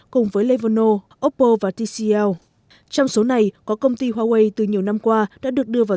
cùng với levano oppo và tcl trong số này có công ty huawei từ nhiều năm qua đã được đưa vào